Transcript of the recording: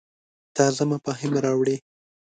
تازه مفاهیم راوړې.